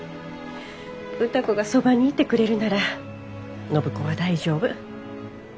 歌子がそばにいてくれるなら暢子は大丈夫。